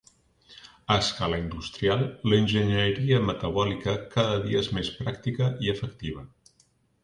A escala industrial, l'enginyeria metabòlica cada dia es més pràctica i efectiva.